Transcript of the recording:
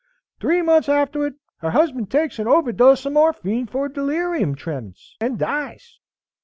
Three months afterward, her husband takes an overdose of morphine for delirium tremems, and dies.